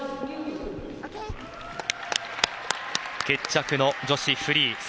決着の女子フリー。